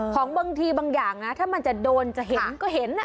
ของบางทีบางอย่างนะถ้ามันจะโดนจะเห็นก็เห็น